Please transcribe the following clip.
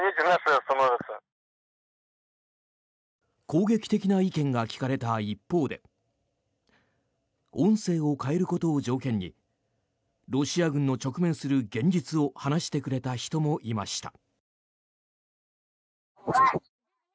攻撃的な意見が聞かれた一方で音声を変えることを条件にロシア軍の直面する現実を話してくれた人もいました。